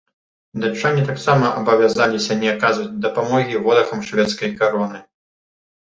Датчане таксама абавязаліся не аказваць дапамогі ворагам шведскай кароны.